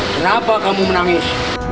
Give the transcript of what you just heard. kenapa kamu menangis